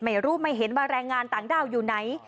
ไม่รู้ไม่เห็นว่าแรงงานต่างด้าวอยู่ไหน